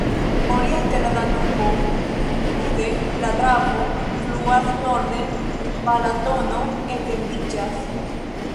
Oriente la Danubo, sude la Dravo fluas, norde Balatono etendiĝas.